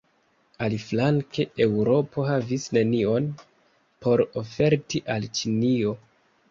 Aliflanke, Eŭropo havis nenion por oferti al Ĉinio.